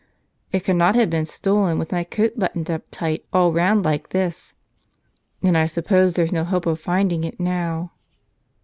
It could not have been stolen with my coat buttoned up tight all round like this. And I suppose there's no hope of finding it now.